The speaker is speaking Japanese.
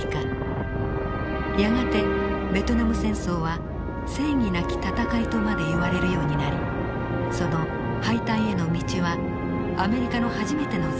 やがてベトナム戦争は正義なき戦いとまで言われるようになりその敗退への道はアメリカの初めての挫折となりました。